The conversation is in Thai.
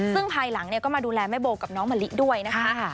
ซึ่งภายหลังก็มาดูแลแม่โบกับน้องมะลิด้วยนะคะ